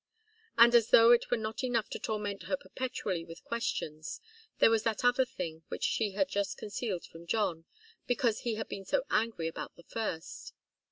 And as though it were not enough to torment her perpetually with questions, there was that other thing which she had just concealed from John, because he had been so angry about the first.